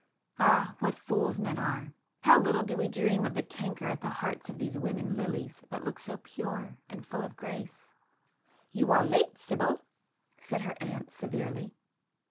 Ah, what fools men are! How little do we dream of the canker at the hearts of these women 'lilies' that look so pure and full of grace! "You are late, Sibyl," said her aunt severely.